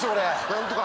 何とか。